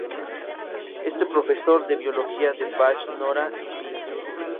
Es el profesor de Biología de Patch, Nora y Vee.